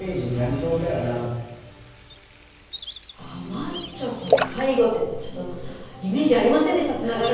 マッチョと介護って、ちょっとイメージありませんでした、